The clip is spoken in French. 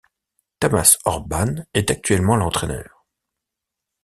Tamas Orban est actuellement l'entraineur.